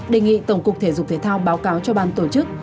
đề nghị tổng cục thể dục thể thao báo cáo cho ban tổ chức